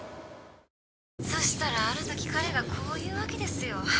「そしたらある時彼がこう言うわけですよ」